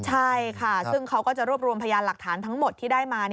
ใช่ค่ะซึ่งเขาก็จะรวบรวมพยานหลักฐานทั้งหมดที่ได้มา